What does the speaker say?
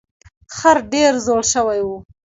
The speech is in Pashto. خر ډیر زوړ شوی و.